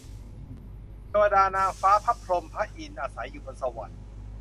เทวดา นางฟ้า พระพรหม พระอินทร์ อาศัยอยู่บนสวรรค์